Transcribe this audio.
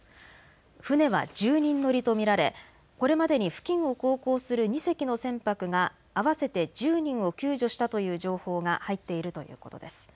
船は１０人乗りと見られこれまでに付近を航行する２隻の船舶が合わせて１０人を救助したという情報が入っているということです。